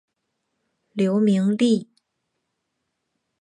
刘明利。